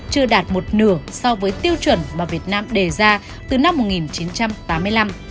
chưa đạt một nửa so với tiêu chuẩn mà việt nam đề ra từ năm một nghìn chín trăm tám mươi năm